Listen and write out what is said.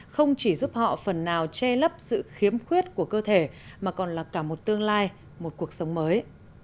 không chỉ giúp họ phần nào che lấp sự khiếm khuyết của cơ thể mà còn là cả một tương lai một cuộc sống mới